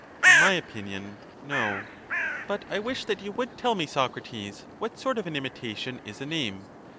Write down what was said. In my opinion, no. But I wish that you would tell me, Socrates, what sort of an imitation is a name?